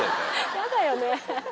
やだよね。